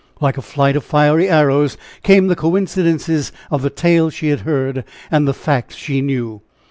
Like a flight of fiery arrows came the coincidences of the tale she had heard, and the facts she knew.